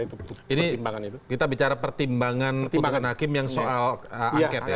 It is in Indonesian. jadi kita bicara pertimbangan untuk hakim yang soal angket ya